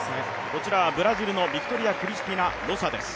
こちらはブラジルのビクトリア・クリスティナ・ロサです。